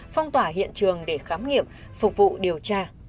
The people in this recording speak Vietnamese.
phong tỏa hiện trường để khám nghiệm phục vụ điều tra